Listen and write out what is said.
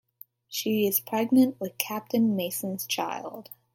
She is pregnant with Captain Mason's child.